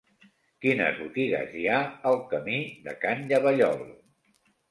Quines botigues hi ha al camí de Can Llavallol?